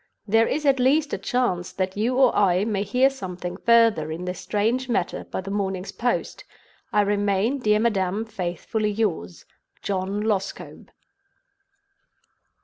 There is at least a chance that you or I may hear something further in this strange matter by the morning's post. "I remain, dear Madam, faithfully yours, "JOHN LOSCOMBE."